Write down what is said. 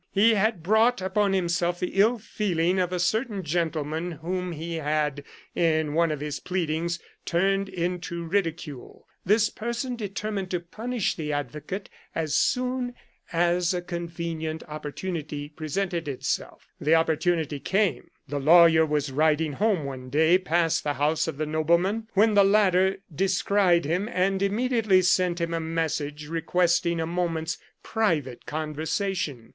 He had brought upon himself the ill feeling of a certain gentleman whom ho had, in one of his pleadings, turned into ridicule. This person deter mined to punish the advocate as soon as a con K 129 Curiosities of Olden Times venient opportunity presented itself. The opportunity came. The lawyer was riding home one day, past the house of the nobleman, when the latter descried him, and immediately sent him a message requesting a moment's private conversation.